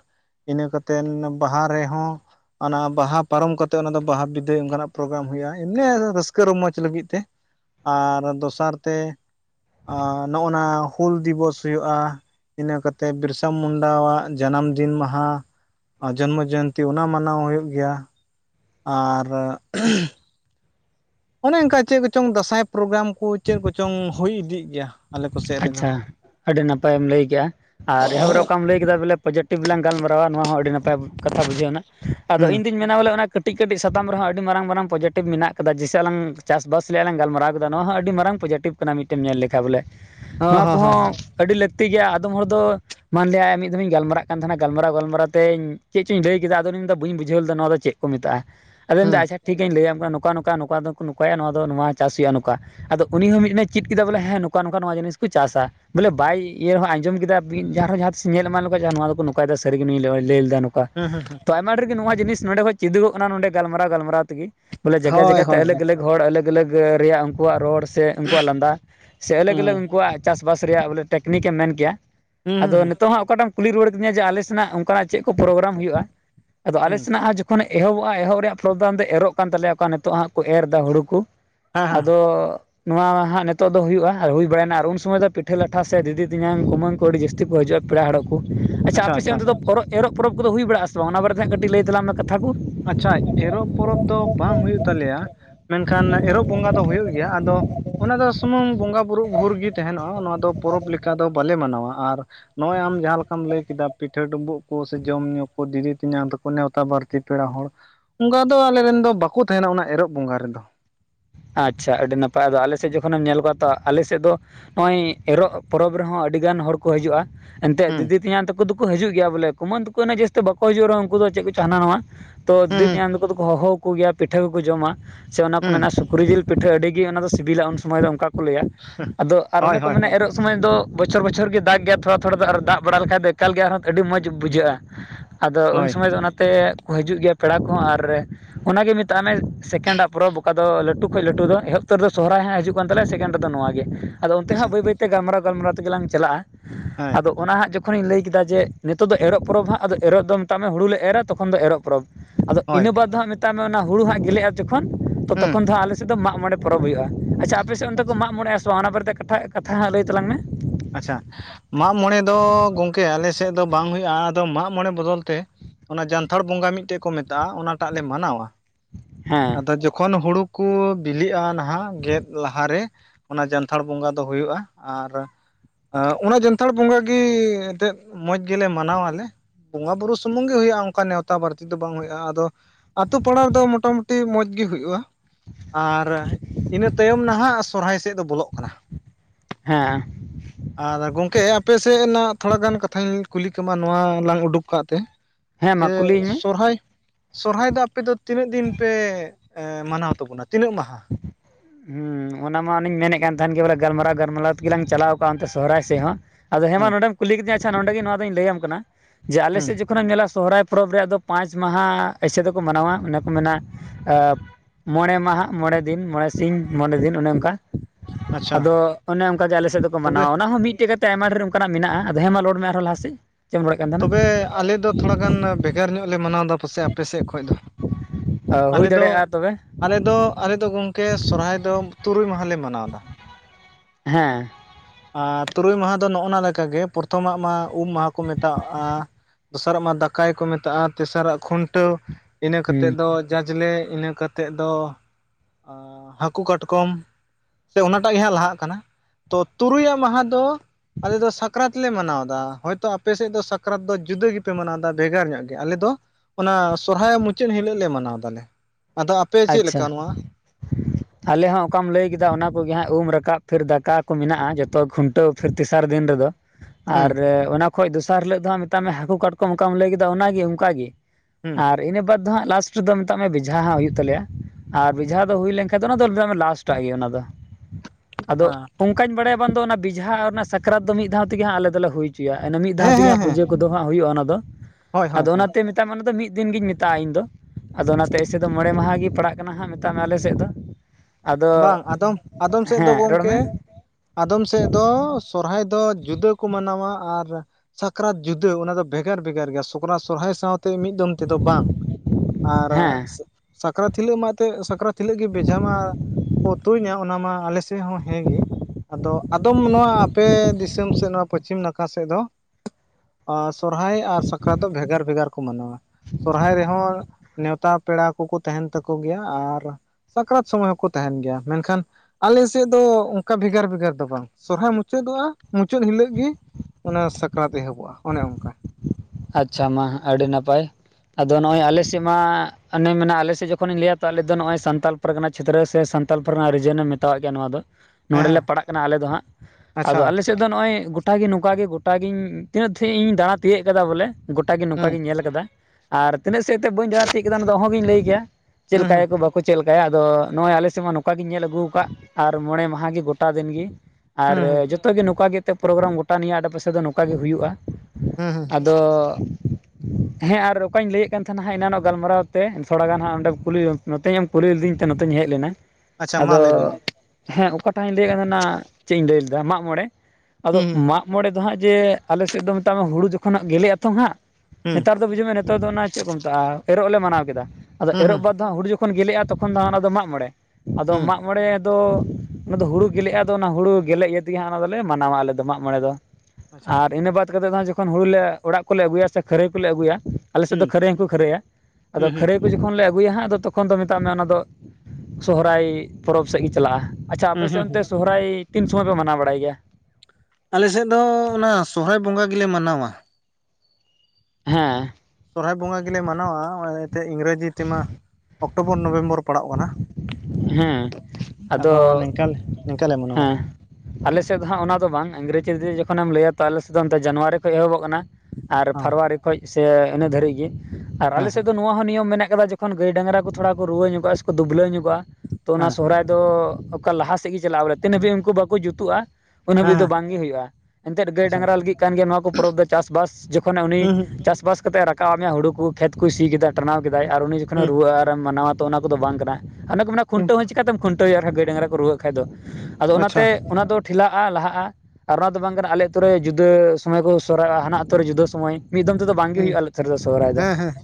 ᱤᱱᱟᱹ ᱠᱟᱛᱮᱫ ᱵᱟᱦᱟ ᱨᱮᱦᱚᱸ ᱚᱱᱟ ᱵᱟᱦᱟ ᱯᱟᱨᱚᱢ ᱠᱟᱛᱮᱜ ᱚᱱᱟ ᱫᱚ ᱵᱟᱦᱟ ᱵᱤᱫᱟᱹᱭ ᱚᱱᱠᱟᱱᱟᱜ ᱯᱨᱳᱜᱨᱟᱢ ᱦᱩᱭᱩᱜᱼᱟ ᱮᱢᱱᱤ ᱨᱟᱹᱥᱠᱟᱹ ᱨᱚᱢᱚᱡᱽ ᱞᱟᱹᱜᱤᱫ ᱛᱮ ᱟᱨ ᱫᱚᱥᱟᱨ ᱛᱮ ᱱᱚᱜᱼᱚᱱᱚᱣᱟ ᱦᱩᱞ ᱫᱤᱵᱚᱥ ᱦᱩᱭᱩᱜᱼᱟ ᱤᱱᱟᱹ ᱠᱟᱛᱮᱜ ᱵᱤᱨᱥᱟ ᱢᱩᱱᱰᱟᱣᱟᱜ ᱡᱟᱱᱟᱢ ᱫᱤᱱ ᱢᱟᱦᱟ ᱡᱚᱱᱢᱚ ᱡᱚᱭᱚᱱᱛᱤ ᱚᱱᱟ ᱢᱟᱱᱟᱣ ᱦᱩᱭᱩᱜ ᱜᱮᱭᱟ ᱟᱨ ᱚᱱᱮ ᱚᱱᱠᱟ ᱪᱮᱫ ᱠᱚᱪᱚᱝ ᱫᱟᱸᱥᱟᱭ ᱯᱨᱳᱜᱨᱟᱢ ᱠᱚ ᱪᱮᱫ ᱠᱚᱪᱚᱝ ᱦᱩᱭ ᱤᱫᱤᱜ ᱜᱮᱭᱟ ᱟᱞᱮ ᱠᱚ ᱥᱮᱫ ᱨᱮᱫᱚ ᱟᱪᱪᱷᱟ ᱟᱹᱰᱤ ᱱᱟᱯᱟᱭᱮᱢ ᱞᱟᱹᱭ ᱠᱮᱫᱮᱜᱼᱟ ᱟᱨ ᱮᱦᱚᱵᱚ ᱨᱮ ᱚᱠᱟᱢ ᱞᱟᱹᱭ ᱠᱮᱫᱟ ᱵᱚᱞᱮ ᱯᱚᱡᱮᱴᱤᱵᱷ ᱞᱟᱝ ᱜᱟᱞᱢᱟᱨᱟᱣᱟ ᱱᱚᱣᱟ ᱦᱚᱸ ᱟᱹᱰᱤ ᱱᱟᱯᱟᱭ ᱠᱟᱛᱷᱟ ᱵᱩᱡᱷᱟᱹᱣ ᱮᱱᱟ ᱟᱫᱚ ᱦᱩᱸ ᱤᱧ ᱫᱚ ᱤᱧ ᱢᱮᱱᱟ ᱵᱚᱞᱮ ᱚᱱᱟ ᱠᱟᱹᱴᱤᱡ ᱠᱟᱹᱴᱤᱡ ᱥᱟᱛᱟᱢ ᱨᱮᱦᱚᱸ ᱟᱹᱰᱤ ᱢᱟᱨᱟᱝ ᱢᱟᱨᱟᱝ ᱯᱚᱡᱮᱴᱤᱵᱷ ᱢᱮᱱᱟᱜ ᱟᱠᱟᱫᱟ ᱡᱮᱭᱥᱮ ᱟᱞᱟᱝ ᱪᱟᱥᱵᱟᱥ ᱡᱟᱦᱟ ᱞᱟᱝ ᱜᱟᱞᱢᱟᱨᱟᱣ ᱠᱮᱫᱟ ᱱᱚᱣᱟ ᱦᱚᱸ ᱟᱹᱰᱤ ᱢᱟᱨᱟᱝ ᱯᱚᱡᱮᱴᱤᱵᱷ ᱠᱟᱱᱟ ᱢᱤᱫᱴᱮᱱ ᱧᱮᱞ ᱞᱮ ᱞᱮᱠᱷᱟᱡ ᱵᱚᱞᱮ ᱦᱚᱸ ᱱᱚᱣᱟ ᱦᱚᱸ ᱠᱚᱦᱚᱸ ᱟᱹᱰᱤ ᱞᱟᱹᱠᱛᱤ ᱜᱮᱭᱟ ᱟᱫᱚᱢ ᱦᱚᱲ ᱫᱚ ᱢᱮᱱ ᱞᱮᱫᱟᱭ ᱢᱤᱫ ᱫᱷᱟᱣᱤᱧ ᱜᱟᱞᱢᱟᱨᱟᱜ ᱠᱟᱱ ᱛᱟᱦᱮᱱᱟ ᱜᱟᱞᱢᱟᱨᱟᱣ ᱜᱟᱞᱢᱟᱨᱟᱣ ᱛᱮᱧ ᱪᱮᱫ ᱪᱚᱧ ᱞᱟᱹᱭ ᱠᱮᱫᱟ ᱟᱫᱚ ᱤᱧ ᱫᱚ ᱵᱟᱹᱧ ᱵᱩᱡᱷᱟᱹᱣ ᱞᱮᱫᱟ ᱱᱚᱣᱟ ᱫᱚ ᱪᱮᱫ ᱢᱮᱛᱟᱜᱼᱟ ᱟᱫᱚᱧ ᱢᱮᱱ ᱦᱚᱸ ᱮᱫᱟ ᱟᱪᱪᱷᱟ ᱴᱷᱤᱠᱟᱹᱧ ᱞᱟᱹᱭᱟᱢ ᱠᱟᱱᱟ ᱱᱚᱝᱠᱟ ᱱᱚᱝᱠᱟ ᱱᱚᱝᱠᱟ ᱫᱚ ᱱᱚᱝᱠᱟᱭᱟ ᱱᱚᱣᱟ ᱫᱚ ᱱᱚᱣᱟ ᱪᱟᱥ ᱦᱩᱭᱩᱜᱼᱟ ᱱᱚᱝᱠᱟ ᱟᱫᱚ ᱩᱱᱤ ᱦᱚᱸ ᱢᱤᱫᱴᱟᱝ ᱪᱮᱫ ᱠᱮᱫᱟ ᱵᱚᱞᱮ ᱦᱮᱸ ᱱᱚᱝᱠᱟ ᱱᱚᱝᱠᱟ ᱱᱚᱣᱟ ᱡᱤᱱᱤᱥ ᱠᱚ ᱪᱟᱥᱟ ᱵᱚᱞᱮ ᱵᱟᱭ ᱤᱭᱟᱹ ᱨᱮᱦᱚᱸ ᱟᱸᱡᱚᱢ ᱠᱮᱫᱟ ᱡᱟᱦᱟᱸ ᱨᱮ ᱡᱟᱦᱟᱸ ᱛᱤᱥ ᱮ ᱧᱮᱞ ᱮᱢᱟᱱ ᱞᱮᱱᱠᱷᱟᱱ ᱱᱚᱣᱟ ᱫᱚᱠᱚ ᱱᱚᱝᱟ ᱭᱮᱫᱟ ᱥᱟᱹᱨᱤ ᱜᱮ ᱱᱩᱭ ᱞᱟᱹᱭ ᱞᱮᱫᱟ ᱦᱩᱸ ᱦᱩᱸ ᱦᱩᱸ ᱦᱩᱸ ᱛᱚ ᱟᱭᱢᱟ ᱰᱷᱮᱨ ᱜᱮ ᱱᱚᱣᱟ ᱡᱤᱱᱤᱥ ᱱᱚᱰᱮ ᱠᱷᱚᱱ ᱪᱤᱫᱚᱜᱚᱜ ᱠᱟᱱᱟ ᱱᱚᱰᱮ ᱜᱟᱞᱢᱟᱨᱟᱣ ᱜᱟᱞᱢᱟᱨᱟᱣ ᱛᱮᱜᱮ ᱵᱚᱞᱮ ᱡᱟᱭᱜᱟ ᱦᱳᱭ ᱡᱟᱭᱜᱟᱛᱮ ᱦᱳᱭ ᱟᱞᱟᱜᱽ ᱦᱳᱭ ᱦᱩᱸ ᱟᱞᱟᱜᱽ ᱦᱚᱲ ᱟᱞᱟᱜᱽ ᱟᱞᱟᱜᱽ ᱨᱮᱭᱟᱜ ᱩᱱᱠᱩᱣᱟᱜ ᱨᱚᱲ ᱥᱮ ᱩᱱᱠᱩᱣᱟᱜ ᱞᱟᱸᱫᱟ ᱥᱮ ᱟᱞᱟᱜᱽ ᱟᱞᱟᱜᱽ ᱦᱩᱸ ᱩᱱᱠᱩᱣᱟᱜ ᱪᱟᱥᱵᱟᱥ ᱨᱮᱭᱟᱜ ᱵᱚᱞᱮ ᱴᱮᱠᱱᱤᱠᱮ ᱮᱢ ᱢᱮᱱ ᱠᱮᱫᱟ ᱟᱫᱚ ᱦᱩᱸ ᱱᱤᱛᱚᱜ ᱦᱚᱸᱜ ᱚᱠᱟᱴᱟᱜ ᱮᱢ ᱠᱩᱞᱤ ᱨᱩᱣᱟᱹᱲ ᱠᱤᱫᱤᱧᱟ ᱡᱮ ᱟᱞᱮ ᱥᱮᱱᱟᱜ ᱚᱱᱠᱟᱱᱟᱜ ᱪᱮᱫ ᱠᱚ ᱯᱨᱳᱜᱨᱟᱢ ᱦᱩᱭᱩᱜᱼᱟ ᱟᱫᱚ ᱟᱞᱮ ᱦᱩᱸ ᱥᱮᱱᱟᱜ ᱦᱚᱸ ᱮᱦᱚᱵᱚ ᱮᱦᱚᱵᱚᱜᱼᱟ ᱮᱦᱚᱵ ᱨᱮᱭᱟᱜ ᱯᱨᱚᱜᱨᱟᱢ ᱫᱚ ᱮᱨᱚᱜ ᱠᱟᱱ ᱛᱟᱞᱮᱭᱟᱠᱚ ᱱᱤᱛᱚᱜ ᱦᱟᱸᱜ ᱠᱚ ᱮᱨ ᱮᱫᱟ ᱦᱩᱲᱩ ᱠᱚ ᱦᱮᱸ ᱦᱮᱸ ᱟᱫᱚ ᱱᱚᱣᱟ ᱦᱟᱸᱜ ᱱᱤᱛᱳᱜ ᱫᱚ ᱦᱩᱭᱩᱜᱼᱟ ᱟᱨ ᱦᱩᱭ ᱵᱟᱲᱟ ᱮᱱᱟ ᱟᱨ ᱩᱱ ᱥᱚᱢᱚᱭ ᱫᱚ ᱯᱤᱴᱷᱟᱹ ᱞᱟᱴᱷᱟ ᱥᱮ ᱫᱤᱫᱤ ᱛᱮᱧᱟᱝ ᱠᱩᱢᱟᱹᱝ ᱠᱚ ᱟᱹᱰᱤ ᱡᱟᱹᱛᱤ ᱠᱚ ᱦᱤᱡᱩᱜᱼᱟ ᱯᱮᱲᱟ ᱦᱚᱲᱚᱜ ᱠᱚ ᱟᱪᱪᱷᱟ ᱟᱯᱮ ᱥᱮᱫ ᱚᱱᱛᱮ ᱫᱚ ᱯᱚᱨᱚᱵᱽ ᱮᱨᱚᱜ ᱯᱚᱨᱚᱵᱽ ᱠᱚᱫᱚ ᱦᱩᱭ ᱵᱟᱲᱟᱜᱼᱟᱥᱮ ᱵᱟᱝ ᱚᱱᱟ ᱵᱟᱨᱮᱛᱮ ᱠᱟᱹᱴᱤᱡ ᱞᱟᱹᱭ ᱛᱟᱞᱟᱝ ᱢᱮ ᱠᱟᱛᱷᱟ ᱠᱚ ᱟᱪᱪᱷᱟ ᱮᱨᱚᱜ ᱯᱚᱨᱚᱵᱽ ᱫᱚ ᱵᱟᱝ ᱦᱩᱭᱩᱜ ᱛᱟᱞᱮᱭᱟ ᱢᱮᱱᱠᱷᱟᱱ ᱮᱨᱚᱜ ᱵᱚᱸᱜᱟ ᱫᱚ ᱦᱩᱭᱩᱜ ᱜᱮᱭᱟ ᱟᱫᱚ ᱚᱱᱟ ᱫᱚ ᱥᱩᱢᱩᱝ ᱵᱚᱸᱜᱟ ᱯᱩᱨ ᱵᱷᱳᱨ ᱜᱮ ᱛᱟᱦᱮᱱᱚᱜᱼᱟ, ᱱᱚᱣᱟ ᱫᱚ ᱯᱚᱨᱚᱵᱽ ᱞᱮᱠᱟ ᱫᱚ ᱵᱟᱞᱮ ᱢᱟᱱᱟᱣᱟ, ᱟᱨ ᱱᱚᱜᱼᱚᱭ ᱟᱢ ᱡᱟᱦᱟᱸ ᱞᱮᱠᱟᱢ ᱞᱟᱹᱭ ᱠᱮᱫᱟ ᱯᱤᱴᱷᱟᱹ ᱰᱩᱸᱵᱩᱜ ᱠᱚ ᱥᱮ ᱡᱚᱢᱧᱩ ᱠᱚ ᱫᱤᱫᱤ ᱛᱮᱧᱟᱝ ᱛᱟᱠᱚ ᱱᱮᱣᱛᱟ ᱵᱟᱹᱲᱛᱤ ᱯᱮᱲᱟ ᱦᱚᱲ ᱚᱱᱠᱟ ᱫᱚ ᱟᱞᱮᱨᱮᱱ ᱫᱚ ᱵᱟᱠᱚ ᱛᱟᱦᱮᱱᱟ ᱚᱱᱟ ᱮᱨᱚᱜ ᱵᱚᱸᱜᱟ ᱨᱮᱫᱚ ᱟᱪᱪᱷᱟ ᱟᱹᱰᱤ ᱱᱟᱯᱟᱭ ᱟᱫᱚ ᱟᱞᱮᱥᱮᱫ ᱡᱚᱠᱷᱚᱱ ᱮᱢ ᱧᱮᱞ ᱠᱚᱣᱟ ᱛᱚ ᱟᱞᱮ ᱥᱮᱫ ᱫᱚ ᱱᱚᱜᱼᱚᱭ ᱮᱨᱚᱜ ᱯᱚᱨᱚᱵᱽ ᱨᱮᱦᱚᱸ ᱟᱹᱰᱤ ᱜᱟᱱ ᱦᱚᱲ ᱠᱚ ᱦᱤᱡᱩᱜᱼᱟ ᱮᱱᱛᱮᱫ ᱦᱩᱸ ᱫᱤᱫᱤ ᱛᱮᱧᱟᱝ ᱛᱮᱠᱚ ᱫᱚ ᱦᱤᱡᱩᱜ ᱜᱮᱭᱟ ᱵᱚᱞᱮ ᱠᱩᱢᱟᱝ ᱛᱟᱠᱚ ᱡᱟᱹᱥᱛᱤ ᱵᱟᱠᱚ ᱦᱤᱡᱩᱜ ᱨᱮ ᱩᱱᱠᱩ ᱫᱚ ᱪᱮᱫ ᱠᱚ ᱪᱚ ᱦᱟᱱᱟ ᱱᱟᱣᱟ ᱛᱚ ᱫᱤᱫᱤ ᱦᱩᱸ ᱛᱮᱭᱟᱝ ᱛᱟᱠᱚ ᱫᱚᱠᱚ ᱦᱚᱦᱚᱣᱟᱠᱚ ᱜᱮᱭᱟ ᱯᱤᱴᱷᱟᱹ ᱠᱚᱠᱚ ᱡᱚᱢᱟ ᱥᱮ ᱚᱱᱟ ᱠᱚ ᱦᱩᱸ ᱢᱮᱱᱟ ᱥᱤᱠᱨᱤ ᱡᱤᱞ ᱯᱤᱴᱷᱟᱹ ᱟᱹᱰᱤᱜᱮ ᱚᱱᱟ ᱫᱚ ᱥᱤᱵᱤᱞᱟ ᱩᱱ ᱥᱚᱢᱚᱭ ᱫᱚ ᱚᱱᱠᱟ ᱠᱚ ᱞᱟᱹᱭᱟ ᱟᱫᱚ ᱟᱨ ᱦᱳᱭ ᱚᱱᱮ ᱠᱚ ᱦᱳᱭ ᱢᱮᱱᱟ ᱦᱳᱭ ᱮᱨᱚᱜ ᱥᱚᱢᱚᱭ ᱫᱚ ᱵᱚᱪᱷᱚᱨ ᱵᱚᱪᱷᱚᱨ ᱜᱮ ᱫᱟᱜ ᱜᱮ ᱛᱷᱚᱲᱟ ᱛᱷᱚᱲᱟ ᱫᱚ ᱟᱨ ᱫᱟᱜ ᱵᱟᱲᱟ ᱞᱮᱠᱷᱟᱡ ᱫᱚ ᱮᱠᱟᱞ ᱜᱮ ᱟᱨᱦᱚᱸ ᱟᱹᱰᱤ ᱢᱚᱡᱽ ᱵᱩᱡᱷᱟᱹᱜᱼᱟ ᱟᱫᱚ ᱩᱱ ᱦᱳᱭ ᱥᱚᱢᱚᱭ ᱫᱚ ᱚᱱᱟᱛᱮ ᱠᱚ ᱦᱤᱡᱩᱜ ᱜᱮᱭᱟ᱾ ᱯᱮᱲᱟ ᱠᱚᱦᱚᱸ ᱟᱨ ᱚᱱᱟᱜᱮ ᱢᱮᱛᱟᱜ ᱢᱮ, ᱥᱮᱠᱮᱱᱰᱟᱜ ᱯᱚᱨᱚᱵᱽ ᱚᱠᱟᱫᱚ ᱞᱟᱹᱴᱩ ᱞᱟᱹᱴᱩ ᱠᱷᱚᱡ ᱞᱟᱹᱴᱩ ᱫᱚ ᱮᱦᱚᱵ ᱩᱛᱟᱹᱨ ᱨᱮ ᱥᱚᱨᱦᱟᱭ ᱦᱟᱸᱜ ᱦᱤᱡᱩᱜ ᱠᱟᱱ ᱛᱟᱞᱮᱸᱭᱟ, ᱥᱮᱠᱮᱱᱰ ᱨᱮᱫᱚ ᱱᱚᱣᱟ ᱜᱮ᱾ ᱟᱫᱚ ᱟᱪᱪᱷᱟ ᱚᱱᱛᱮᱦᱟᱸᱜ ᱵᱟᱹᱭ ᱵᱟᱹᱭᱛᱮ ᱜᱟᱞᱢᱟᱨᱟᱣ ᱜᱟᱞᱢᱟᱨᱟᱣ ᱛᱮᱜᱮ ᱞᱟᱝ ᱪᱟᱞᱟᱜᱼᱟ ᱦᱳᱭ ᱟᱫᱚ ᱚᱱᱟ ᱦᱟᱸᱜ ᱡᱚᱠᱷᱚᱱᱤᱧ ᱞᱟᱹᱭ ᱠᱮᱫᱟ ᱡᱮ, ᱱᱤᱛᱚᱜ ᱫᱚ ᱮᱨᱚᱜ ᱯᱚᱨᱚᱵᱽ ᱦᱟᱜ ᱟᱫᱚ ᱮᱨᱚᱜ ᱫᱚ ᱢᱮᱛᱟᱜ ᱢᱮ ᱦᱩᱲᱩᱞᱮ ᱮᱨᱟ ᱛᱚᱠᱷᱚᱱ ᱫᱚ ᱮᱨᱚᱜ ᱯᱚᱨᱚᱵᱽ᱾ ᱟᱫᱚ ᱦᱳᱭ ᱤᱱᱟᱹ ᱵᱟᱫ ᱫᱚ ᱦᱟᱸᱜ ᱢᱮᱛᱟᱜ ᱢᱮ ᱚᱱᱟ ᱦᱩᱲᱩ ᱦᱟᱸᱜ ᱜᱮᱞᱮᱜᱼᱟ ᱡᱚᱠᱷᱚᱱ ᱛᱚ ᱦᱩᱸ ᱛᱚᱠᱷᱚᱱ ᱫᱚ ᱟᱞᱮ ᱥᱮᱫ ᱫᱚ ᱢᱟᱜ ᱢᱚᱬᱮ ᱯᱚᱨᱚᱵ ᱦᱩᱭᱩᱜᱼᱟ ᱾ᱟᱪᱪᱷᱟ ᱟᱯᱮ ᱥᱮᱫ ᱚᱱᱛᱮ ᱠᱚ ᱟᱪᱪᱷᱟ ᱢᱟᱜ ᱢᱚᱬᱮ ᱟᱥᱮ ᱛᱚ ᱚᱱᱟ ᱵᱟᱨᱮᱛᱮ ᱮᱴᱟᱜ ᱠᱟᱛᱷᱟ ᱦᱟᱸᱜ ᱞᱟᱹᱭ ᱛᱟᱞᱟᱝ ᱢᱮ? ᱟᱪᱪᱷᱟ ᱢᱟᱜ ᱢᱚᱬᱮ ᱫᱚ ᱜᱚᱝᱠᱮ ᱟᱞᱮ ᱥᱮᱫ ᱫᱚ ᱵᱟᱝ ᱦᱩᱭᱩᱜᱼᱟ, ᱟᱫᱚ ᱢᱟᱜ ᱢᱚᱬᱮ ᱵᱚᱫᱚᱞ ᱛᱮ ᱚᱱᱟ ᱡᱟᱱᱛᱷᱟᱲ ᱵᱚᱸᱜᱟ ᱢᱤᱫᱴᱮᱡ ᱠᱚ ᱢᱮᱛᱟᱜᱼᱟ, ᱚᱱᱟᱴᱟᱜ ᱞᱮ ᱢᱟᱱᱟᱣᱟ ᱦᱮᱸ ᱟᱫᱚ ᱡᱚᱠᱷᱚᱱ ᱦᱩᱲᱩ ᱠᱚ ᱵᱤᱞᱤᱜᱼᱟ ᱱᱟᱦᱟᱸᱜ ᱜᱮᱫ ᱞᱟᱦᱟᱨᱮ ᱚᱱᱟ ᱡᱟᱱᱛᱷᱟᱲ ᱵᱚᱸᱜᱟ ᱫᱚ ᱦᱩᱭᱩᱜᱼᱟ᱾ ᱟᱨ ᱚᱱᱟ ᱡᱟᱱᱛᱷᱟᱲ ᱵᱚᱸᱜᱟ ᱜᱮ ᱮᱱᱛᱮᱫ ᱢᱚᱡᱽ ᱜᱮᱞᱮ ᱢᱟᱱᱟᱣ ᱟᱞᱮ ᱵᱚᱸᱜᱟ ᱵᱩᱨᱩ ᱥᱩᱢᱩᱝ ᱜᱮ ᱦᱩᱭᱩᱜᱼᱟ᱾ ᱚᱱᱠᱟ ᱱᱮᱣᱛᱟ ᱵᱟᱹᱲᱛᱤ ᱫᱚ ᱵᱟᱝ ᱦᱩᱭᱩᱜᱼᱟ ᱟᱫᱚ ᱟᱛᱳ ᱯᱟᱲᱟ ᱨᱮᱫᱚ ᱢᱚᱴᱟᱢᱩᱴᱤ ᱢᱚᱸᱡᱽ ᱜᱤ ᱦᱩᱭᱩᱜᱼᱟ᱾ ᱟᱨ ᱤᱱᱟᱹ ᱛᱟᱭᱚᱢ ᱱᱟᱦᱟᱸᱜ ᱥᱚᱨᱦᱟᱭ ᱥᱮᱫ ᱫᱚ ᱵᱚᱞᱚᱜ ᱠᱟᱱᱟ᱾ ᱦᱮᱸ ᱟᱨ ᱜᱚᱝᱠᱮ ᱟᱯᱮ ᱥᱮᱫ ᱨᱮᱱᱟᱜ ᱛᱷᱚᱲᱟ ᱜᱟᱱ ᱠᱟᱛᱷᱟᱧ ᱠᱩᱞᱤ ᱠᱮᱢᱟ ᱱᱚᱣᱟ ᱞᱟᱝ ᱩᱰᱩᱠ ᱠᱟᱜ ᱛᱮ? ᱦᱮᱸ ᱡᱮ ᱢᱟ ᱠᱩᱞᱤᱭᱤᱧ ᱢᱮ ᱥᱚᱨᱦᱟᱭ ᱥᱚᱨᱦᱟᱭ ᱫᱚ ᱟᱯᱮ ᱫᱚ ᱛᱤᱱᱟᱹᱜ ᱫᱤᱱ ᱯᱮ ᱢᱟᱱᱟᱣ ᱛᱟᱵᱚᱱᱟ, ᱛᱤᱱᱟᱹᱜ ᱢᱟᱦᱟ? ᱦᱮᱸ ᱚᱱᱟ ᱢᱟ ᱚᱱᱮᱧ ᱢᱮᱱᱮᱫ ᱠᱟᱱ ᱛᱟᱦᱮᱱ ᱜᱮ ᱵᱚᱞᱮ ᱜᱟᱞᱢᱟᱨᱟᱣ ᱜᱟᱞᱢᱟᱨᱟᱣ ᱛᱮᱜᱮ ᱞᱟᱝ ᱪᱟᱞᱟᱣ ᱠᱚᱜᱼᱟ ᱚᱱᱛᱮ ᱥᱚᱦᱦᱟᱭ ᱥᱮᱫ ᱦᱚᱸ ᱟᱫᱚ ᱦᱮᱸ ᱢᱟ ᱱᱚᱸᱰᱮᱢ ᱠᱩᱞᱤ ᱠᱤᱫᱤᱟ ᱟᱪᱪᱷᱟ ᱱᱚᱰᱮ ᱱᱚᱣᱟ ᱫᱚᱧ ᱞᱟᱹᱭᱟᱢ ᱠᱟᱱᱟ᱾ ᱡᱮ ᱦᱮᱸ ᱟᱞᱮᱥᱮᱫ ᱛᱚᱠᱷᱚ ᱱᱮᱢ ᱧᱮᱞᱟ ᱥᱚᱦᱚᱨᱟᱭ ᱯᱚᱨᱚᱵᱽ ᱨᱮᱭᱟᱜ ᱫᱚ, ᱯᱟᱸᱪ ᱢᱟᱦᱟ ᱮᱭᱥᱮ ᱫᱚᱠᱚ ᱢᱟᱱᱟᱣᱟ ᱚᱱᱟ ᱠᱚ ᱢᱮᱱᱟ ᱢᱚᱬᱮ ᱢᱟᱦᱟ, ᱢᱚᱬᱮ ᱫᱤᱱ, ᱢᱚᱬᱮ ᱥᱤᱧ ᱢᱚᱬᱮᱫᱤᱱ ᱚᱱᱮ ᱚᱱᱠᱟ᱾ ᱟᱪᱪᱷᱟ ᱟᱫᱚ ᱚᱱᱮ ᱚᱱᱠᱟᱜᱮ ᱟᱞᱮ ᱥᱮᱫ ᱫᱚᱠᱚ ᱛᱚᱵᱮ ᱢᱟᱱᱟᱣᱟ᱾ ᱚᱱᱟ ᱦᱚᱸ ᱢᱤᱫᱴᱮᱡ ᱠᱟᱛᱮ ᱟᱭᱢᱟ ᱰᱷᱮᱨ ᱚᱱᱠᱟᱱᱟᱜ ᱢᱮᱱᱟᱜᱼᱟ ᱟᱫᱚ ᱦᱮᱸ ᱢᱟ ᱨᱚᱲ ᱢᱮ ᱟᱨᱦᱚᱸ ᱞᱟᱦᱟ ᱥᱮᱫ ᱪᱮᱫ ᱮᱢ ᱨᱚᱲᱮᱫ ᱠᱟᱱ ᱛᱚᱵᱮ ᱟᱞᱮ ᱫᱚ ᱛᱷᱚᱲᱟ ᱜᱟᱱ ᱵᱷᱮᱜᱟᱨ ᱧᱚᱜ ᱞᱮ ᱢᱟᱱᱟᱣᱫᱟ ᱯᱟᱥᱮᱡ ᱟᱯᱮ ᱥᱮᱫ ᱠᱷᱚᱡ ᱫᱚ ᱛᱟᱦᱮᱱᱟ ᱦᱩᱭ ᱟᱞᱮ ᱫᱚ? ᱫᱟᱲᱮᱭᱟᱜᱼᱟ ᱛᱚᱵᱮ ᱟᱞᱮ ᱫᱚ ᱟᱞᱮ ᱫᱚ ᱜᱚᱝᱠᱮ ᱥᱚᱨᱦᱟᱭ ᱫᱚ ᱛᱩᱨᱩᱭ ᱢᱟᱦᱟᱞᱮ ᱢᱟᱱᱟᱣ ᱫᱟ᱾ ᱦᱮᱸ᱾ ᱟᱨ ᱛᱩᱨᱩᱭ ᱢᱟᱦᱟ ᱫᱚ ᱱᱚᱜᱼᱚ ᱱᱟ ᱞᱮᱠᱟᱜᱮ ᱯᱨᱚᱛᱷᱚᱢᱟᱜ ᱢᱟ ᱩᱢ ᱢᱟᱦᱟ ᱠᱚ ᱢᱮᱛᱟᱜᱼᱟ᱾ ᱫᱚᱥᱟᱨᱟᱜ ᱢᱟ ᱫᱟᱠᱟᱭ ᱠᱚ ᱢᱮᱛᱟᱜᱼᱟ᱾ ᱛᱮᱥᱟᱨᱟᱜ ᱠᱷᱩᱱᱴᱟᱹᱣ ᱤᱱᱟᱹ ᱦᱩᱸ ᱠᱟᱛᱮᱫ ᱫᱚ ᱡᱟᱡᱽᱞᱮ ᱤᱱᱟᱹ ᱠᱟᱛᱮᱫ ᱫᱚ, ᱦᱟᱹᱠᱩ ᱠᱟᱴᱠᱚᱢ ᱥᱮ ᱚᱱᱟᱴᱟᱜ ᱜᱮ ᱦᱟᱸᱜ ᱞᱟᱦᱟᱜ ᱠᱟᱱᱟ᱾ ᱛᱩᱨᱩᱭᱭᱟ ᱢᱟᱦᱟ ᱫᱚ, ᱟᱞᱮ ᱫᱚ ᱥᱟᱠᱨᱟᱛ ᱞᱮ ᱢᱟᱱᱟᱣ ᱫᱟ᱾ ᱦᱚᱭᱛᱳ ᱟᱯᱮ ᱥᱮᱫ ᱫᱚ ᱥᱟᱠᱨᱟᱛ ᱫᱚ ᱡᱩᱫᱟᱹ ᱜᱮᱯᱮ ᱢᱟᱱᱟᱣᱫᱟ ᱵᱷᱮᱜᱟᱨ ᱧᱚᱜ ᱜᱮ ᱟᱞᱮ ᱫᱚ᱾ ᱚᱱᱟ ᱥᱚᱨᱦᱟᱭ ᱢᱩᱪᱟᱹᱫ ᱦᱤᱞᱟᱹᱜᱮ ᱞᱮ ᱢᱟᱱᱟᱣ ᱫᱟᱞᱮ᱾ ᱟᱫᱚ ᱟᱯᱮ ᱪᱮᱫ ᱟᱪᱪᱷᱟ᱾ ᱞᱮᱠᱟ [inaudible] ᱟᱞᱮ ᱦᱚᱸ ᱚᱠᱟᱢ ᱞᱟᱹᱭ ᱠᱮᱫᱟ ᱚᱱᱟ ᱠᱚᱜᱮ ᱦᱟᱸᱜ ᱩᱢ ᱨᱟᱠᱟᱵ ᱯᱷᱤᱨ ᱫᱟᱠᱟ ᱠᱚ ᱢᱮᱱᱟᱜᱼᱟ, ᱡᱚᱛᱚ ᱠᱷᱩᱱᱴᱟᱹᱣ ᱯᱷᱤᱨ ᱛᱮᱥᱟᱨ ᱫᱤᱱ ᱨᱮᱫᱚ ᱦᱩᱸ ᱟᱨ ᱚᱱᱟ ᱠᱷᱚᱡ ᱫᱚᱥᱟᱨ ᱦᱤᱞᱳᱜ ᱫᱚ ᱦᱟᱸᱜ ᱢᱮᱛᱟᱜ ᱢᱮ ᱦᱟᱹᱠᱩ ᱠᱟᱴᱠᱚᱢ ᱚᱱᱠᱟᱢ ᱞᱟᱹᱭ ᱠᱮᱫᱟ ᱚᱱᱟᱜᱮ ᱚᱱᱠᱟ ᱜᱮ᱾ ᱦᱩᱸ ᱟᱨ ᱤᱱᱟᱹ ᱵᱟᱫᱽ ᱫᱚ ᱦᱟᱸᱜ ᱞᱟᱥᱴ ᱨᱮᱫᱚ ᱢᱮᱛᱟᱜ ᱢᱮ ᱵᱮᱡᱷᱟ ᱦᱟᱸᱜ ᱦᱩᱭᱩᱜ ᱛᱟᱞᱮᱭᱟ ᱟᱨ ᱵᱮᱡᱷᱟ ᱫᱚ ᱦᱩᱭ ᱞᱮᱱᱠᱷᱟᱱ ᱫᱚ ᱚᱱᱟ ᱫᱚ ᱞᱟᱥᱴᱟᱜ ᱜᱮ ᱚᱱᱟ ᱫᱚ ᱟᱫᱚ ᱩᱱ [unintelligible] ᱚᱱᱠᱟᱧ ᱵᱟᱲᱟᱭᱟ ᱵᱟᱝᱫᱚ ᱚᱱᱟ ᱵᱤᱡᱷᱟ ᱟᱨ ᱚᱱᱟ ᱥᱟᱠᱨᱟᱛ ᱫᱚ ᱢᱤᱫ ᱫᱷᱟᱣ ᱛᱮᱜᱮ ᱦᱟᱸᱜ ᱟᱞᱮ ᱫᱚᱞᱮ ᱦᱩᱭ ᱪᱚᱭᱟ ᱢᱤᱫ ᱫᱷᱟᱣ ᱦᱮᱸ ᱛᱮᱜᱮ ᱦᱮᱸ ᱦᱟᱸᱜ ᱦᱮᱸ ᱯᱩᱡᱟᱹ ᱠᱚᱫᱚ ᱦᱟᱸᱜ ᱦᱩᱭᱩᱜ-ᱟ ᱚᱱᱟ ᱫᱚ ᱦᱳᱭ ᱦᱳᱭ ᱟᱫᱚ ᱦᱳᱭ ᱚᱱᱟᱛᱮ ᱢᱮᱛᱟᱜ ᱢᱮ ᱚᱱᱟ ᱫᱚ ᱢᱤᱫ ᱫᱤᱱ ᱜᱤᱧ ᱢᱮᱛᱟᱜ-ᱟ ᱤᱧ ᱫᱚ ᱟᱫᱚ ᱚᱱᱟ ᱛᱮ ᱮᱭᱥᱮ ᱫᱚ ᱢᱚᱬᱮ ᱢᱟᱦᱟ ᱜᱮ ᱯᱟᱲᱟᱜ ᱠᱟᱱᱟ ᱦᱟᱸᱜ ᱢᱮᱛᱟᱜ ᱢᱮ ᱟᱞᱮ ᱥᱮᱫ ᱫᱚ ᱟᱫᱚ ᱵᱟᱝ ᱟᱫᱚᱢ ᱟᱫᱚᱢ ᱥᱮᱫ ᱫᱚ ᱦᱮᱸ ᱨᱚᱲ ᱜᱚᱝᱠᱮ ᱢᱮ ᱟᱫᱚᱢ ᱥᱮᱫ ᱫᱚ ᱥᱚᱦᱨᱟᱭ ᱫᱚ ᱡᱩᱫᱟᱹ ᱠᱚ ᱢᱟᱱᱟᱣᱟ ᱟᱨ ᱥᱟᱠᱨᱟᱛ ᱡᱩᱫᱟᱹ ᱚᱱᱟ ᱫᱚ ᱵᱷᱮᱜᱟᱨ ᱵᱷᱮᱜᱟᱨ ᱜᱮᱭᱟ ᱥᱟᱠᱨᱟᱛ ᱥᱚᱨᱦᱟᱭ ᱥᱟᱶᱛᱮ ᱢᱤᱫ ᱮᱫᱚᱢ ᱛᱮᱫᱚ ᱵᱟᱝ ᱟᱨᱼᱼ ᱦᱮᱸ ᱥᱟᱠᱨᱟᱛ ᱦᱤᱞᱳᱜ ᱢᱟ ᱮᱛᱮᱫ ᱥᱟᱠᱨᱟᱛ ᱦᱤᱞᱳᱜ ᱜᱮ ᱵᱮᱡᱷᱟ ᱢᱟ ᱠᱚ ᱛᱩᱧᱟ ᱚᱱᱟ ᱢᱟ ᱟᱞᱮ ᱥᱮᱫ ᱦᱚᱸ ᱦᱮᱸᱜᱮ ᱟᱫᱚ ᱟᱫᱚᱢ ᱱᱚᱣᱟ ᱟᱯᱮ ᱫᱤᱥᱚᱢ ᱥᱮᱫ ᱱᱚᱣᱟ ᱯᱚᱪᱷᱤᱢ ᱱᱟᱠᱷᱟ ᱥᱮᱫ ᱫᱚ ᱟᱨ ᱥᱚᱨᱦᱟᱭ ᱟᱨ ᱥᱟᱠᱨᱟᱛ ᱵᱷᱮᱜᱟᱨ ᱵᱷᱮᱜᱟᱨ ᱠᱚ ᱢᱟᱱᱟᱣᱟ ᱾ ᱥᱚᱨᱦᱟᱭ ᱨᱮᱦᱚᱸ ᱱᱮᱣᱛᱟ ᱯᱮᱲᱟ ᱠᱚᱠᱚ, ᱛᱟᱦᱮᱸᱱ ᱛᱟᱠᱚ ᱜᱮᱭᱟ ᱟᱨ ᱥᱟᱠᱨᱟᱛ ᱥᱚᱢᱚᱭ ᱦᱚᱸ᱾ ᱠᱚ ᱛᱟᱦᱮᱱ ᱜᱮᱭᱟ, ᱢᱮᱱᱠᱷᱟᱱ ᱟᱞᱮ ᱥᱮᱫ ᱫᱚ ᱚᱱᱠᱟ ᱵᱷᱮᱜᱟᱨ ᱵᱷᱮᱜᱟᱨ ᱫᱚ ᱵᱟᱝ, ᱥᱚᱨᱦᱟᱭ ᱢᱩᱪᱟᱹᱫᱚᱜᱼᱟ ᱢᱩᱪᱟᱹᱫ ᱦᱤᱞᱳᱜ ᱜᱮ᱾ ᱚᱱᱟ ᱥᱟᱠᱨᱟᱛ ᱮᱦᱚᱵᱚᱜᱼᱟ ᱚᱱᱮ ᱚᱱᱠᱟ ᱾ ᱟᱪᱪᱷᱟ ᱢᱟ ᱟᱹᱰᱤ ᱱᱟᱯᱟᱭ ᱟᱫᱚ ᱱᱚᱜᱼᱚᱭ ᱟᱞᱮ ᱥᱮᱫ ᱢᱟ ᱚᱱᱮ ᱢᱮᱱᱟᱜ ᱟᱞᱮ ᱥᱮᱫ ᱡᱚᱠᱷᱚᱱᱤᱧ ᱞᱟᱹᱭᱟ ᱛᱚ ᱟᱞᱮ ᱫᱚ ᱱᱚᱜᱼᱚᱭ ᱥᱟᱱᱛᱟᱞ ᱯᱟᱨᱜᱟᱱᱟ ᱪᱷᱮᱛᱨᱟᱹ ᱥᱮ ᱥᱟᱱᱛᱟᱞ ᱯᱟᱨᱜᱟᱱᱟ ᱨᱤᱡᱮᱱ ᱮᱢ ᱢᱮᱛᱟᱣᱟᱜ ᱜᱮᱭᱟ ᱱᱚᱣᱟ ᱫᱚ ᱦᱮᱸ ᱱᱚᱸᱰᱮᱞᱮ ᱦᱮᱸ ᱯᱟᱲᱟᱜ ᱠᱟᱱᱟ ᱟᱞᱮ ᱫᱚ ᱦᱟᱸᱜ ᱟᱪᱪᱷᱟ ᱟᱫᱚ ᱟᱞᱮ ᱥᱮᱫ ᱫᱚ ᱱᱚᱜ ᱚᱭ ᱜᱚᱴᱟ ᱜᱮ ᱱᱚᱝᱠᱟ ᱜᱮ ᱜᱚᱴᱟ ᱜᱤᱧ ᱛᱤᱱᱟᱹᱜ ᱴᱷᱤᱡ ᱤᱧ ᱫᱟᱬᱟ ᱛᱤᱭᱟᱹᱜ ᱠᱟᱫᱟ ᱵᱚᱞᱮ ᱜᱚᱴᱟ ᱜᱮ ᱱᱚᱝᱠᱟ ᱦᱩᱸ ᱜᱤᱧ ᱧᱮᱞ ᱠᱟᱫᱟ ᱟᱨ ᱛᱤᱱᱟᱹᱜ ᱥᱮᱫ ᱛᱮ ᱵᱟᱹᱧ ᱫᱟᱬᱟ ᱛᱤᱭᱩᱜ ᱠᱟᱫᱟ ᱚᱱᱟ ᱫᱚ ᱚᱦᱚ ᱜᱤᱧ ᱞᱟᱹᱭ ᱠᱮᱭᱟ᱾ ᱪᱮᱫ ᱦᱩᱸ ᱦᱩᱸ ᱞᱮᱠᱟᱭᱟᱠᱚ ᱵᱟᱡ ᱠᱚ ᱪᱮᱫ ᱞᱮᱠᱟᱭᱟ ᱟᱫᱚ ᱱᱚᱜᱼᱚᱭ ᱟᱞᱮ ᱥᱮᱫ ᱢᱟ ᱱᱚᱝᱠᱟ ᱜᱤᱧ ᱧᱮᱞ ᱟᱹᱜᱩ ᱟᱠᱟᱫ ᱟᱨ ᱢᱚᱬᱮ ᱢᱟᱦᱟ ᱜᱮ ᱜᱚᱴᱟ ᱫᱤᱱ ᱜᱮ ᱟᱨ ᱦᱩᱸ ᱦᱩᱸ ᱡᱚᱛᱚ ᱜᱮ ᱱᱚᱝᱠᱟ ᱜᱮ ᱮᱛᱮ ᱯᱨᱳᱜᱨᱟᱢ ᱜᱚᱴᱟ ᱱᱤᱭᱟᱹ ᱟᱰᱮᱯᱟᱥᱮ ᱫᱚ ᱱᱚᱝᱠᱟ ᱜᱮ ᱦᱩᱭᱩᱜ-ᱟ᱾ ᱦᱩᱸ ᱦᱩᱸ ᱫᱚ ᱦᱮᱸ ᱟᱨ ᱚᱠᱟᱧ ᱞᱟᱹᱭᱮᱫ ᱠᱟᱱ ᱛᱟᱦᱮᱱᱟᱜ ᱮᱱᱟᱱᱚᱜ ᱜᱟᱞᱢᱟᱨᱟᱣ ᱛᱮ ᱛᱷᱚᱲᱟ ᱜᱟᱱ ᱦᱟᱸᱜ ᱚᱸᱰᱮ ᱠᱩᱞᱤ ᱱᱚᱛᱮᱧ ᱮᱢ ᱠᱩᱞᱤ ᱞᱤᱫᱤᱧ ᱛᱮ ᱱᱚᱛᱮᱧ ᱦᱮᱡ ᱞᱮᱱᱟ ᱟᱪᱪᱷᱟ ᱢᱟ ᱞᱟᱹᱭ ᱵᱮᱱ ᱟᱫᱚ ᱢᱟ ᱦᱮᱸ ᱚᱠᱟᱴᱟᱜ ᱤᱧ ᱞᱟᱹᱭᱮᱫᱱᱟ ᱪᱮᱫ ᱤᱧ ᱞᱟᱹᱭ ᱞᱮᱫᱟ ᱢᱟᱜᱢᱚᱬᱮ ᱟᱫᱚ ᱦᱩᱸ ᱢᱟᱜ ᱢᱚᱬᱮ ᱫᱚ ᱦᱟᱸᱜ ᱡᱮ ᱟᱞᱮ ᱥᱮᱫ ᱫᱚ ᱢᱮᱛᱟᱜ ᱢᱮ ᱦᱩᱲᱩ ᱡᱚᱠᱷᱚᱱ ᱜᱮᱞᱮᱜ ᱟᱛᱚ ᱦᱟᱸᱜ ᱦᱩᱸ ᱱᱮᱛᱟᱨ ᱫᱚ ᱵᱩᱡᱩᱜ ᱢᱮ ᱱᱮᱛᱟᱨ ᱫᱚ ᱚᱱᱟ ᱪᱮᱫ ᱠᱚ ᱢᱮᱛᱟᱜ-ᱟ? ᱮᱨᱚᱜ ᱞᱮ ᱢᱟᱱᱟᱣ ᱠᱮᱫᱟ᱾ ᱟᱫᱚ ᱦᱩᱸ ᱮᱨᱚᱜ ᱦᱩᱸ ᱵᱟᱫᱷᱚ ᱫᱚ ᱦᱟᱜ ᱦᱩᱲᱩ ᱡᱚᱠᱷᱚᱱ ᱜᱮᱞᱮᱜ-ᱟ ᱛᱚᱠᱷᱚᱱ ᱫᱚ ᱦᱟᱜ ᱚᱱᱟ ᱫᱚ ᱢᱟᱜ ᱢᱚᱬᱮ ᱟᱫᱚ ᱦᱩᱸ ᱢᱟᱜ ᱢᱚᱬᱮ ᱫᱚ ᱚᱱᱟ ᱫᱚ ᱦᱩᱲᱩ ᱜᱮᱞᱮᱜᱼᱟ ᱟᱫᱚ ᱚᱱᱟ ᱦᱩᱲᱩ ᱜᱮᱞᱮᱫ ᱤᱭᱟᱹ ᱛᱮᱜᱮ ᱦᱟᱸᱜ ᱚᱱᱟ ᱫᱚᱞᱮ ᱢᱟᱱᱟᱣᱟ ᱟᱞᱮ ᱫᱚ ᱢᱟᱜ ᱢᱚᱬᱮ ᱫᱚ ᱟᱪᱪᱷᱟ ᱟᱨ ᱤᱱᱟᱹ ᱵᱟᱫᱽ ᱠᱟᱛᱮᱫ ᱫᱚ ᱡᱚᱠᱷᱚᱱ ᱦᱳᱲᱩ ᱞᱮ ᱚᱲᱟᱜ ᱠᱚᱞᱮ ᱟᱹᱜᱩᱭᱟ ᱥᱮ ᱠᱷᱟᱹᱨᱟᱹᱭ ᱠᱚᱞᱮ ᱟᱹᱜᱩᱭᱟ ᱟᱞᱮᱥᱮᱫ ᱫᱚ ᱦᱩᱸ ᱠᱷᱟᱹᱨᱟᱹᱭ ᱦᱚᱸᱠᱚ ᱠᱷᱟᱹᱨᱟᱹᱭᱟ ᱟᱫᱚ ᱦᱩᱸ ᱦᱩᱸ ᱠᱷᱟᱹᱨᱟᱹᱭ ᱩᱱᱠᱩ ᱡᱚᱠᱷᱚᱱ ᱞᱮ ᱟᱹᱜᱩᱭᱟ ᱦᱟᱸᱜ ᱟᱫᱚ ᱛᱚᱠᱷᱚᱱ ᱫᱚ ᱢᱮᱛᱟᱜ ᱢᱮ ᱚᱱᱟ ᱫᱚ ᱥᱚᱦᱚᱨᱟᱭ ᱯᱚᱨᱚᱵᱽ ᱥᱮᱫ ᱜᱮ ᱪᱟᱞᱟᱜ-ᱟ ᱟᱪᱪᱷᱟ ᱦᱩᱸ ᱟᱯᱮᱥᱮᱫ ᱦᱩᱸ ᱚᱱᱛᱮ ᱦᱩᱸ ᱥᱚᱦᱨᱟᱭ ᱛᱤᱱ ᱥᱚᱢᱚᱭ ᱯᱮ ᱢᱟᱱᱟᱣ ᱵᱟᱲᱟᱭ ᱜᱮᱭᱟ ᱟᱞᱮᱥᱮᱫ ᱫᱚ ᱚᱱᱟ ᱥᱚᱦᱨᱟᱭ ᱵᱚᱸᱜᱟ ᱜᱮᱞᱮ ᱢᱟᱱᱟᱣᱟ ᱦᱮᱸ ᱥᱚᱨᱦᱟᱭ ᱵᱚᱸᱜᱟ ᱜᱮᱞᱮ ᱢᱟᱱᱟᱣᱟ ᱮᱱᱛᱮᱫ ᱤᱝᱨᱮᱡᱤ ᱛᱮᱢᱟ ᱚᱠᱴᱳᱵᱚᱨ ᱱᱚᱵᱷᱮᱢᱵᱚᱨ ᱯᱟᱲᱟᱜ ᱠᱟᱱᱟ᱾ ᱦᱮᱸ ᱟᱫᱚ ᱱᱤᱝᱠᱟ ᱱᱤᱝᱠᱟ ᱞᱮ ᱢᱟᱱᱟᱣᱟ ᱦᱮᱸ ᱟᱞᱮ ᱥᱮᱫ ᱫᱚ ᱦᱟᱸᱜ ᱚᱱᱟ ᱫᱚ ᱵᱟᱝ ᱤᱝᱨᱮᱡᱤ ᱛᱮ ᱡᱚᱠᱷᱮᱱ ᱮᱢ ᱞᱟᱹᱭᱟ ᱛᱚ ᱟᱞᱮ ᱥᱮᱫ ᱫᱚ ᱚᱱᱛᱮ ᱡᱟᱱᱩᱣᱟᱨᱤ ᱠᱷᱚᱱ ᱮᱦᱚᱵᱚᱜ ᱠᱟᱱᱟ ᱟᱨ ᱦᱮᱸ ᱯᱷᱟᱨᱣᱟᱨᱤ ᱠᱷᱚᱡ ᱥᱮ ᱤᱱᱟᱹ ᱫᱷᱟᱹᱨᱤᱡ ᱜᱮ ᱟᱨ ᱟᱞᱮ ᱥᱮᱫ ᱦᱮᱸ ᱫᱚ ᱱᱚᱣᱟ ᱦᱚᱸ ᱱᱤᱭᱚᱢ ᱢᱮᱱᱟᱜ ᱟᱠᱟᱫᱟ ᱡᱚᱠᱷᱚᱱ ᱜᱟᱹᱭ ᱰᱟᱝᱨᱟ ᱠᱚ ᱛᱷᱚᱲᱟ ᱠᱚ ᱨᱩᱣᱟᱹ ᱧᱚᱜᱚᱜ-ᱟ ᱥᱮ ᱠᱚ ᱫᱩᱵᱽᱞᱟᱹᱣ ᱧᱚᱜᱚᱜ-ᱟ ᱛᱚ ᱚᱱᱟ ᱦᱮᱸ ᱥᱚᱦᱨᱟᱭ ᱫᱚ ᱚᱠᱟ ᱞᱟᱦᱟ ᱥᱮᱫ ᱜᱮ ᱪᱟᱞᱟᱜ-ᱟ ᱵᱚᱞᱮ ᱛᱤᱱ ᱦᱟᱹᱵᱤᱡ ᱩᱱᱠᱩ ᱵᱟᱠᱚ ᱡᱩᱛᱩᱜ-ᱟ ᱩᱱ ᱦᱮᱸ ᱦᱮᱸ ᱦᱟᱹᱵᱤᱡ ᱫᱚ ᱦᱮᱸ ᱵᱟᱝᱜᱮ ᱦᱩᱭᱩᱜ-ᱟ ᱮᱱᱛᱮᱫ ᱜᱟᱹᱭ ᱟᱪᱪᱷᱟ ᱰᱟᱝᱨᱟ ᱞᱟᱹᱜᱤᱫ ᱠᱟᱱ ᱜᱮᱭᱟ ᱱᱚᱣᱟ ᱠᱚ ᱯᱚᱨᱚᱵᱽ ᱫᱚ ᱪᱟᱥᱵᱟᱥ ᱡᱚᱠᱷᱚᱱᱮ ᱩᱱᱤ ᱦᱩᱸ ᱪᱟᱥᱵᱟᱥ ᱠᱟᱛᱮ ᱮ ᱨᱟᱠᱟᱵ ᱟᱠᱟᱸᱟᱫ ᱢᱮᱭᱟ ᱦᱩᱲᱩ ᱠᱚ ᱠᱷᱮᱛ ᱠᱚ ᱥᱤ ᱠᱮᱫᱟ ᱴᱟᱱᱟᱣ ᱠᱮᱫᱟᱭ ᱟᱨ ᱩᱱᱤ ᱡᱚᱠᱷᱚᱱᱮ ᱦᱩᱸ ᱨᱩᱣᱟᱹ ᱟᱨᱮ ᱢᱟᱱᱟᱣᱟ᱾ ᱛᱚ ᱚᱱᱟ ᱠᱚᱫᱚ ᱵᱟᱝ ᱠᱟᱱᱟ᱾ ᱚᱱᱟ ᱠᱚ ᱢᱮ ᱦᱩᱸ ᱠᱷᱩᱱᱴᱟᱹᱣ ᱦᱚᱸ ᱪᱤᱠᱟᱛᱮᱢ ᱠᱷᱩᱱᱴᱟᱹᱣ ᱟᱨᱦᱚᱸ ᱜᱟᱹᱭ ᱰᱟᱝᱨᱟ ᱠᱚ ᱨᱩᱣᱟᱹᱜ ᱠᱷᱟᱡ ᱫᱚ ᱟᱫᱚ ᱟᱪᱪᱷᱟ ᱚᱱᱟᱛᱮ ᱚᱱᱟ ᱫᱚ ᱴᱷᱮᱞᱟᱜᱼᱟ ᱞᱟᱦᱟᱜᱼᱟ ᱟᱨ ᱚᱱᱟ ᱫᱚ ᱵᱟᱝ ᱠᱟᱱᱟ ᱟᱞᱮ ᱟᱛᱳ ᱨᱮ ᱡᱩᱫᱟᱹ ᱥᱚᱢᱚᱭ ᱠᱩ ᱥᱚᱨᱦᱟᱭᱚᱜᱼᱟ᱾ ᱦᱟᱱᱟ ᱟᱛᱩᱨ ᱨᱮ ᱡᱩᱫᱟᱹ ᱥᱚᱢᱚᱭ ᱢᱤᱫ ᱫᱚᱢ ᱛᱮᱫᱚ ᱵᱟᱝᱜᱤ ᱦᱩᱸ ᱦᱩᱭᱩᱜᱼᱟ ᱟᱞᱮᱟᱛᱚ ᱨᱮᱫᱚ ᱥᱚᱦᱚᱨᱟᱭ ᱫᱚ᱾ ᱦᱮᱸ ᱦᱮᱸ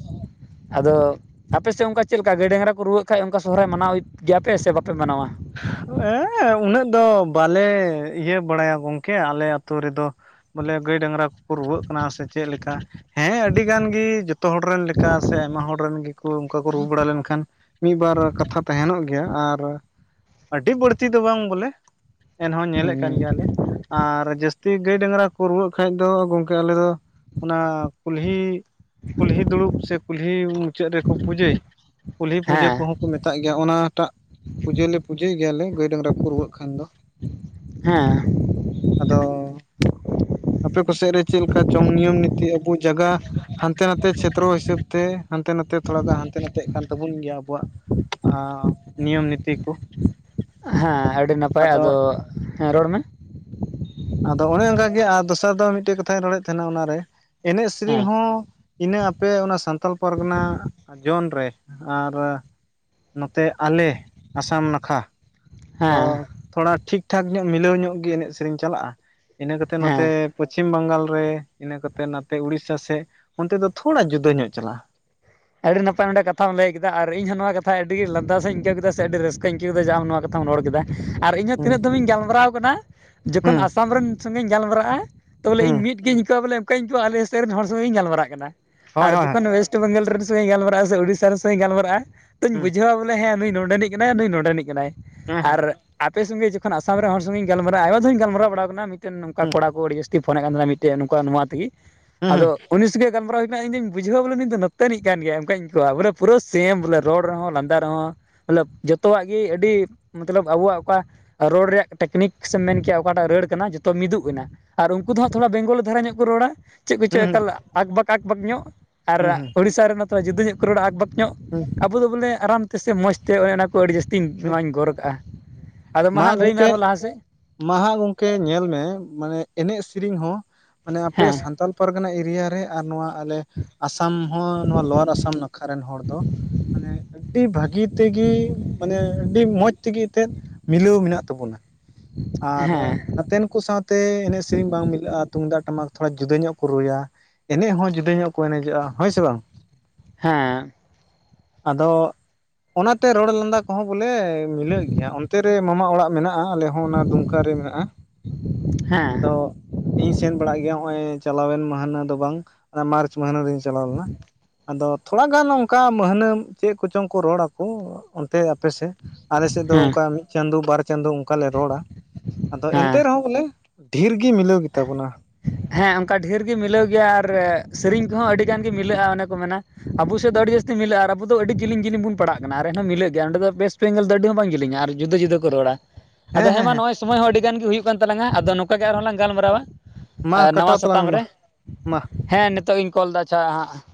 ᱟᱫᱚ ᱟᱯᱮ ᱥᱮᱜ ᱚᱝᱠᱟ ᱪᱮᱜᱞᱮᱠᱟ ᱜᱟᱹᱭ ᱰᱟᱝᱨᱟ ᱠᱩ ᱨᱩᱣᱟᱹᱜ ᱠᱷᱟᱡ ᱚᱱᱠᱟ ᱥᱚᱨᱦᱟᱭ ᱢᱟᱱᱟᱣ ᱦᱩᱭᱩᱜ ᱜᱮᱭᱟᱯᱮ ᱥᱮ ᱵᱟᱯᱮ ᱢᱟᱱᱟᱣᱟ ᱮᱸ ᱩᱱᱟᱹᱜ ᱫᱚ ᱵᱟᱞᱮ ᱤᱭᱟᱹ ᱵᱟᱲᱟᱭᱟ ᱜᱚᱝᱠᱮ ᱟᱞᱮ ᱟᱹᱛᱩ ᱨᱮᱫᱚ᱾ ᱵᱚᱞᱮ ᱜᱟᱹᱭ ᱰᱟᱝᱨᱟ ᱠᱚᱠᱩ ᱨᱩᱣᱟᱹᱜ ᱠᱟᱱᱟ ᱥᱮ ᱪᱮᱫ ᱞᱮᱠᱟ ᱦᱮᱸ ᱟᱹᱰᱤ ᱜᱟᱱ ᱜᱤ ᱡᱚᱛᱚ ᱦᱚᱲ ᱨᱮᱱ ᱞᱮᱠᱟ ᱥᱮ ᱟᱭᱢᱟ ᱦᱚᱲ ᱨᱮᱱ ᱜᱮᱠᱩ ᱚᱱᱠᱟ ᱠᱩ ᱨᱩᱣ ᱵᱟᱲᱟ ᱞᱮᱱᱠᱷᱟᱱ ᱢᱤᱫ ᱵᱟᱨ ᱠᱟᱛᱷᱟ ᱛᱟᱦᱮᱱᱚᱜ ᱜᱮᱭᱟ ᱟᱨ ᱟᱹᱰᱤ ᱵᱟᱹᱲᱛᱤ ᱫᱚ ᱵᱟᱝ ᱵᱚᱞᱮ ᱮᱱᱦᱚᱸ ᱧᱮᱞᱮᱜ ᱠᱟᱱ ᱦᱩᱸ ᱜᱮᱭᱟᱞᱮ ᱟᱨ ᱡᱟᱥ ᱛᱤ ᱜᱟᱹᱭ ᱰᱟᱝᱨᱟ ᱠᱩ ᱨᱩᱣᱟᱹᱜ ᱠᱷᱟᱡ ᱫᱚ ᱜᱚᱝᱠᱮ ᱟᱞᱮᱫᱚ ᱚᱱᱟ ᱠᱩᱞᱦᱤ ᱠᱩᱞᱦᱤ ᱫᱩᱲᱩᱵ ᱥᱮ ᱠᱩᱞᱦᱤ ᱢᱩᱪᱟᱹᱫ ᱨᱮᱠᱚ ᱯᱩᱡᱟᱹᱭ ᱠᱩᱞᱦᱤ ᱯᱩᱡᱟᱹ ᱦᱮᱸ ᱠᱚᱦᱚᱸ ᱠᱚ ᱢᱮᱛᱟᱜ ᱜᱮᱭᱟ ᱚᱱᱟᱴᱟᱜ ᱯᱩᱡᱟᱹ ᱞᱮ ᱯᱩᱡᱟᱹᱭ ᱜᱮᱭᱟᱞᱮ ᱜᱟᱹᱭ ᱰᱟᱝᱨᱟ ᱠᱚ ᱨᱩᱣᱟᱹᱜ ᱠᱷᱟᱱ ᱫᱚ ᱦᱮᱸ ᱟᱫᱚ ᱟᱯᱮ ᱠᱚᱥᱮᱫ ᱨᱮ ᱪᱮᱫ ᱞᱮᱠᱟ ᱪᱚᱝ ᱱᱤᱭᱚᱢ ᱱᱤᱛᱤ ᱟᱵᱚ ᱡᱟᱭᱜᱟ ᱦᱟᱱᱛᱮ ᱱᱟᱛᱮ ᱪᱷᱮᱫᱨᱚ ᱦᱤᱥᱟᱹᱵᱛᱮ ᱦᱟᱱᱛᱮ ᱱᱟᱛᱮ ᱛᱷᱚᱲᱟᱫᱚ ᱦᱟᱱᱛᱮ ᱱᱟᱛᱮᱜ ᱠᱟᱱ ᱛᱟᱵᱚᱱ ᱜᱮᱭᱟ ᱟᱵᱚᱣᱟᱜᱼᱟ ᱱᱤᱭᱚᱢ ᱱᱤᱛᱤ ᱠᱩ ᱦᱮᱸ ᱟᱹᱰᱤ ᱱᱟᱯᱟᱭ ᱟᱫᱚ ᱦᱮᱸ ᱨᱚᱲ ᱢᱮ ᱟᱫᱚ ᱚᱱᱮ ᱚᱱᱠᱟᱜᱮ ᱟᱨ ᱫᱚᱥᱟᱨ ᱫᱚ ᱢᱤᱴᱮᱜ ᱠᱟᱛᱷᱟᱧ ᱨᱚᱲᱮᱫ ᱛᱟᱦᱮᱱᱟ ᱚᱱᱟᱨᱮ ᱮᱱᱮᱡ ᱥᱮᱨᱮᱧ ᱦᱮᱸ ᱦᱚᱸ ᱤᱱᱟᱹ ᱟᱯᱮ ᱚᱱᱟ ᱥᱟᱱᱛᱟᱞ ᱯᱟᱨᱜᱟᱱᱟ ᱡᱚᱱᱨᱮ ᱟᱨ ᱱᱚᱛᱮ ᱟᱞᱮ ᱟᱥᱟᱢ ᱱᱟᱠᱷᱟ ᱫᱚ ᱦᱮᱸ ᱛᱷᱚᱲᱟ ᱴᱷᱤᱠ ᱴᱷᱟᱠ ᱧᱚᱜ ᱢᱤᱞᱟᱹᱣ ᱧᱚᱜ ᱜᱮ ᱮᱱᱮᱡ ᱥᱮᱨᱮᱧ ᱪᱟᱞᱟᱜᱼᱟ ᱤᱱᱟᱹ ᱠᱟᱛᱮᱜ ᱦᱮᱸ ᱱᱚᱛᱮ ᱯᱚᱪᱷᱤᱢ ᱵᱟᱝᱜᱟᱞ ᱨᱮ ᱤᱱᱟᱹ ᱠᱟᱛᱮᱜ ᱱᱟᱛᱮ ᱩᱲᱤᱥᱟ ᱥᱮᱜ ᱚᱱᱛᱮ ᱫᱚ ᱛᱷᱚᱲᱟ ᱡᱩᱫᱟᱹ ᱧᱚᱜ ᱪᱟᱞᱟᱜᱼᱟ ᱟᱰᱤᱲᱤ ᱱᱟᱯᱟᱭ ᱱᱚᱰᱮ ᱠᱟᱛᱷᱟᱢ ᱞᱟᱹᱭ ᱠᱮᱫᱟ ᱟᱨ ᱤᱧ ᱦᱚᱸ ᱱᱚᱣᱟ ᱠᱟᱛᱷᱟ ᱟᱹᱰᱤ ᱜᱤ ᱞᱟᱸᱫᱟᱟᱥ ᱤᱧ ᱟᱹᱭᱠᱟᱹᱣ ᱠᱮᱫᱟ ᱥᱮ ᱟᱹᱰᱤ ᱨᱟᱹᱥᱠᱟᱹᱧ ᱟᱹᱭᱠᱟ. ᱮᱫᱟ ᱡᱮ ᱟᱢ ᱱᱚᱣᱟ ᱠᱟᱛᱷᱟᱢ ᱨᱚᱲ ᱠᱮᱫᱟ᱾ ᱟᱨ ᱤᱧᱦᱚᱸ ᱦᱩᱸ ᱛᱤᱱᱟᱹᱜ ᱫᱷᱚᱢ ᱤᱧ ᱜᱟᱞᱢᱟᱨᱟᱣ ᱟᱠᱟᱱᱟ ᱡᱚᱠᱷᱚᱱ ᱦᱩᱸ ᱟᱥᱟᱢ ᱨᱮᱱ ᱥᱚᱸᱜᱮ ᱤᱧ ᱜᱟᱞᱢᱟᱨᱟᱜᱼᱟ ᱛᱚᱞᱮ ᱦᱩᱸ ᱤᱧ ᱢᱤᱫ ᱜᱤᱧ ᱟᱹᱭᱠᱟᱹᱣᱟ ᱵᱚᱞᱮ ᱚᱱᱠᱟᱧ ᱟᱹᱭᱠᱟᱹᱣᱟ ᱟᱞᱮᱥᱮᱜ ᱨᱮᱱ ᱦᱚᱲ ᱥᱚᱸᱜᱮ ᱤᱧ ᱜᱟᱞᱢᱟᱨᱟ. ᱜ ᱠᱟᱱᱟ ᱦᱳᱭ ᱟᱨ ᱦᱳᱭ ᱡᱚᱠᱷᱚᱱ ᱚᱭᱮᱥ ᱛᱚ ᱵᱮᱝᱜᱚᱞ ᱨᱮᱱ ᱥᱚᱸᱜ ᱤᱧ ᱜᱟᱞᱢᱟᱜᱼᱟ ᱥᱮ ᱩᱲᱤᱥᱟ ᱨᱮᱱ ᱥᱚᱸᱜᱮ ᱤᱧ ᱜᱟᱞᱢᱟᱨᱟᱜᱼᱟ ᱛᱚᱧ ᱦᱩᱸ ᱵᱩᱡᱷᱟᱹᱣᱟ ᱵᱚ ᱦᱮᱸ ᱱᱩᱭ ᱱᱚᱰᱮᱱᱤᱜ ᱠᱟᱱᱟᱭ ᱱᱩᱭ ᱱᱚᱰᱮᱱᱤᱜ ᱠᱟᱱᱟᱭ ᱦᱮᱸ ᱦᱮᱸ ᱟᱨ ᱟᱯᱮ ᱥᱚᱸᱜᱮ ᱡᱚᱠᱷᱚᱱ ᱟᱥᱟᱢ ᱨᱮᱱ ᱦᱚᱲ ᱥᱚᱸᱜᱮ ᱤᱧ ᱜᱟᱞᱢᱟᱨᱟᱜᱼᱟ ᱟᱭᱢᱟ ᱫᱷᱟᱣ ᱤᱧ ᱜᱟᱞᱢᱟᱨᱟᱣ ᱵᱟᱲᱟ ᱟᱠᱟᱱᱟ ᱢᱤᱜᱴᱮᱱ ᱱᱚᱝᱠᱟ ᱦᱩᱸ ᱠᱚᱲᱟ ᱠᱚ ᱟᱹᱰᱤ ᱡᱟᱥ ᱛᱤ ᱯᱷᱳᱱ ᱮᱜ ᱠᱟᱱ ᱛᱟᱦᱮᱱᱟ ᱢᱤᱜᱴᱮᱜ ᱱᱚᱝᱠᱟ ᱱᱚᱣᱟ ᱛᱤᱜᱤ ᱦᱩᱸ ᱟᱫᱚ ᱩᱱᱤ ᱥᱚᱸᱜᱮᱜ ᱜᱟᱞᱢᱟᱨᱟᱣ ᱦᱩᱭᱠᱟᱱᱟ ᱤᱧᱫᱩᱧ ᱵᱩᱡᱷᱟᱹᱣᱟ ᱵᱚᱞᱮ ᱱᱚᱛᱮ ᱱᱤᱜ ᱠᱟᱱ ᱜᱮᱭᱟᱭ ᱚᱱᱠᱟᱧ ᱟᱭᱠᱟᱹᱣᱟ ᱵᱚᱞᱮ ᱯᱩᱨᱟᱹ ᱥᱮᱢ ᱵᱚᱞᱮ ᱨᱚᱲ ᱨᱮᱦᱚᱸ ᱞᱟᱸᱫᱟ ᱨᱮᱦᱚᱸ᱾ ᱢᱚᱛᱞᱚᱵ ᱡᱚᱛᱚᱣᱟᱜ ᱜᱮ ᱟᱹᱰᱤ ᱢᱚᱛᱞᱚᱵ ᱟᱵᱩᱣᱟᱜ ᱚᱠᱟ ᱨᱚᱲ ᱨᱮᱭᱟᱜ ᱴᱮᱠᱱᱤᱠ ᱥᱮᱢ ᱢᱮᱱ ᱠᱮᱭᱟ ᱚᱠᱟᱴᱟᱜ ᱨᱟᱹᱲ ᱠᱟᱱᱟ ᱡᱚᱛᱚ ᱢᱤᱫᱩᱜ ᱮᱱᱟ ᱟᱨ ᱩᱱᱠᱩ ᱫᱚ ᱦᱩᱸ ᱦᱟᱸᱜ ᱛᱷᱚᱲᱟ ᱵᱮᱝᱜᱚᱞ ᱫᱷᱟᱨᱟ ᱧᱚᱜ ᱠᱚ ᱨᱚᱲᱟ ᱪᱮᱜ ᱦᱩᱸ ᱠᱚᱪᱚ ᱦᱩᱸ ᱮᱠᱟᱞ ᱟᱠ ᱵᱟᱠ ᱟᱡ ᱵᱟᱠ ᱧᱚᱜ ᱟᱨ ᱦᱩᱸ ᱦᱩᱸ ᱩᱲᱤᱥᱟ ᱨᱮᱱ ᱢᱟᱛᱚ ᱡᱩᱫᱟᱹ ᱧᱚᱜ ᱠᱚ ᱨᱚᱲᱼᱟ ᱟᱠ ᱵᱟᱠ ᱧᱚᱜ ᱦᱩᱸ ᱟᱵᱚ ᱫᱚ ᱵᱚᱞᱮ ᱟᱨᱟᱢ ᱛᱮᱥᱮ ᱢᱚᱡᱽ ᱛᱮ ᱚᱱᱮᱚᱱᱟ ᱟᱹᱰᱤ ᱡᱟᱹᱥᱛᱤᱧ ᱦᱩᱸ ᱱᱚᱣᱟᱧ ᱜᱚᱨ ᱟᱠᱟᱜᱼᱟ᱾ ᱢᱟ ᱜᱚᱝᱠᱮᱜ ᱢᱟ ᱦᱟᱜ ᱜᱚᱝᱠᱮ ᱧᱮᱞ ᱢᱮ ᱢᱟᱱᱮ ᱮᱱᱮᱜ ᱥᱤᱨᱤᱧ ᱦᱚᱸ ᱢᱟᱱᱮ ᱟᱯᱮ ᱦᱮᱸ ᱥᱟᱱᱛᱟᱞ ᱯᱟᱨᱜᱟᱱᱟ ᱮᱨᱤᱭᱟ ᱨᱮ ᱟᱨ ᱱᱚᱣᱟ ᱾ ᱛᱟᱦᱞᱮ ᱟᱥᱟᱢ ᱦᱚᱸ ᱱᱚᱣᱟ ᱞᱳᱣᱟᱨ ᱟᱥᱟᱢ ᱱᱟᱠᱷᱟ ᱨᱮᱱ ᱦᱚᱲ ᱫᱚ, ᱢᱟᱱᱮ ᱟᱹᱰᱤ ᱵᱷᱟᱹᱜᱤ ᱛᱮᱜᱮ ᱢᱟᱱᱮ ᱟᱹᱰᱤ ᱢᱚᱸᱡᱽ ᱛᱤᱜᱤ ᱮᱛᱫ ᱢᱤᱞᱟᱹᱣ ᱢᱮᱱᱟᱜ ᱛᱟᱵᱚᱱᱟ᱾ ᱟᱨ ᱦᱮᱸ ᱱᱟᱛᱮᱱ ᱠᱩ ᱥᱟᱶᱛᱮ ᱮᱱᱮᱜ ᱥᱤᱨᱤᱧ ᱵᱟᱝ ᱢᱤᱞᱟᱹᱜᱼᱟ ᱛᱩᱢᱫᱟᱜ ᱴᱟᱢᱟᱠ ᱛᱷᱚᱲᱟ ᱡᱩᱫᱟᱹ ᱧᱚᱜ ᱠᱚ ᱨᱩᱭᱟ᱾ ᱮᱱᱮᱡ ᱦᱚᱸ ᱡᱩᱫᱟᱹ ᱧᱚᱜ ᱠᱚ ᱮᱱᱮᱡᱚᱜᱼᱟ ᱦᱳᱭ ᱥᱮ ᱵᱟᱝ ᱦᱮᱸ ᱟᱫᱚ ᱚᱱᱟᱛᱮ ᱨᱚᱲ ᱞᱟᱸᱫᱟ ᱠᱚᱦᱚᱸ ᱵᱚᱞᱮ ᱢᱤᱞᱟᱹᱜ ᱜᱮᱭᱟ ᱚᱱᱛᱮ ᱨᱮ ᱢᱟᱢᱟ ᱚᱲᱟᱜ ᱢᱮᱱᱟᱜᱼᱟ ᱟᱞᱮ ᱦᱚᱸ ᱚᱱᱟ ᱫᱩᱢᱠᱟ ᱨᱮ ᱢᱮᱱᱟᱜᱼᱟ᱾ ᱦᱮᱸ ᱟᱫᱚ ᱤᱧ ᱥᱮᱱ ᱵᱟᱲᱟᱜ ᱜᱮᱭᱟ ᱱᱚᱜᱼᱚᱭ ᱪᱟᱞᱟᱣᱮᱱ ᱢᱟᱹᱦᱱᱟᱹ ᱫᱚ ᱵᱟᱝ ᱚᱱᱟ ᱢᱟᱨᱪ ᱢᱟᱹᱦᱱᱟᱹ ᱨᱤᱧ ᱪᱟᱞᱟᱣ ᱞᱮᱱᱟ᱾ ᱟᱫᱚ ᱛᱷᱚᱲᱟ ᱜᱟᱱ ᱚᱝᱠᱟ ᱢᱟᱹᱦᱱᱟᱹᱢ ᱪᱮᱜ ᱠᱚᱪᱚᱝ ᱠᱚ ᱨᱚᱲ ᱟᱠᱚ ᱚᱱᱛᱮ ᱟᱯᱮ ᱥᱮᱜ ᱟᱞᱮᱥᱮᱫ ᱫᱚ ᱦᱮᱸ ᱚᱝᱠᱟ ᱢᱤᱜ ᱪᱟᱸᱫᱚ ᱵᱟᱨ ᱪᱟᱸᱫᱚ ᱚᱝᱠᱟ ᱞᱮ ᱨᱚᱲᱟ ᱟᱫᱚ ᱮᱱᱛᱮ ᱦᱮᱸ ᱨᱮᱦᱚᱸ ᱵᱚᱞᱮ ᱰᱷᱤᱨ ᱜᱤ ᱢᱤᱞᱟᱹᱣ ᱜᱮᱛᱟ ᱵᱚᱱᱟ᱾ ᱦᱮᱸ ᱚᱝᱠᱟ ᱰᱷᱮᱨ ᱜᱮ ᱢᱤᱞᱟᱹᱣ ᱜᱮᱭᱟ ᱟᱨ ᱥᱤᱨᱤᱧ ᱠᱚᱦᱚᱸ ᱟᱹᱰᱤ ᱜᱟᱱ ᱜᱮ ᱢᱤᱞᱟᱹᱜᱼᱟ ᱚᱱᱮ ᱠᱚ ᱢᱮᱱᱟ ᱟᱵᱚ ᱥᱮᱫ ᱫᱚ ᱟᱹᱰᱤ ᱡᱟᱹᱥᱛᱤ ᱢᱤᱞᱟᱹᱜᱼᱟ ᱟᱵᱩ ᱫᱚ ᱟᱹᱰᱤ ᱡᱤᱞᱤᱧ ᱡᱤᱞᱤᱧ ᱵᱩᱱ ᱯᱟᱲᱟᱜ ᱠᱟᱱᱟ ᱟᱨ ᱮᱱᱦᱚᱸ ᱢᱤᱞᱟᱹᱜ ᱜᱮᱭᱟ, ᱚᱸᱰᱮ ᱫᱚ ᱵᱮᱥ ᱯᱮᱸᱜᱮᱞ ᱫᱚ ᱟᱹᱰᱤ ᱦᱚᱸ ᱵᱟᱝ ᱡᱤᱞᱤᱧᱟ ᱟᱨ ᱡᱩᱫᱟᱹ ᱡᱩᱫᱟᱹ ᱠᱚ ᱨᱚᱲᱟ ᱟᱫᱚ ᱦᱮᱸ ᱢᱟ ᱱᱚᱜᱼᱚᱭ ᱥᱩᱢᱚᱭ ᱦᱚᱸ ᱟᱹᱰᱤ ᱜᱟᱱ ᱜᱮ ᱦᱩᱭᱩᱜ ᱠᱟᱱ ᱛᱟᱞᱟᱝᱟ ᱟᱫᱚ ᱱᱚᱠᱟ ᱜᱮ ᱟᱨᱦᱚᱸ ᱞᱟᱝ ᱜᱟᱞᱢᱟᱨᱟᱣᱟ ᱢᱟ ᱱᱟᱣᱟ ᱠᱟᱴᱟᱣ ᱛᱟᱞᱟᱝ ᱥᱟᱛᱟᱢ ᱢᱮ ᱢᱟ ᱨᱮ ᱢᱟ ᱦᱮᱸ ᱱᱤᱛᱳᱜ ᱤᱧ ᱠᱚᱞ ᱫᱟ ᱟᱪᱪᱷᱟ